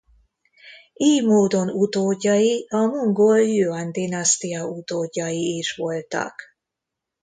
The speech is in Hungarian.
Ily módon utódjai a mongol Jüan-dinasztia utódjai is voltak.